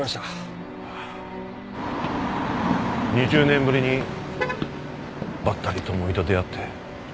２０年ぶりにばったり智美と出会って。